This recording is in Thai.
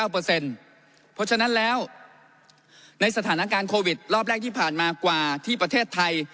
เพราะฉะนั้นแล้วในสถานการณ์โควิดรอบแรกที่ผ่านมากว่าที่ประเทศไทย